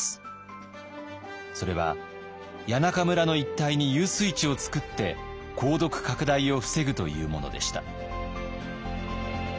それは谷中村の一帯に遊水池を作って鉱毒拡大を防ぐというものでした。